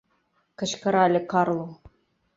— кычкырале Карло.